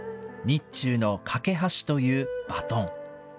日中の懸け橋というバトン。